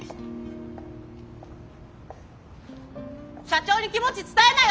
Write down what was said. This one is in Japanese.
社長に気持ち伝えなよ！